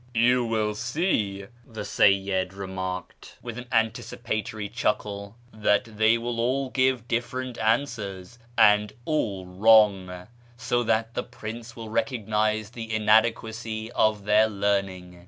"You will see," the Seyyid remarked, with an anticipatory chuckle, " that they will all give different answers, and all wrong, so that the prince will recognise the inade quacy of their learning."